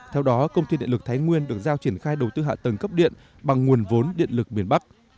theo đó công ty điện lực thái nguyên được giao triển khai đầu tư hạ tầng cấp điện bằng nguồn vốn điện lực miền bắc